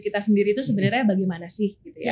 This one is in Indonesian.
kita sendiri itu sebenarnya bagaimana sih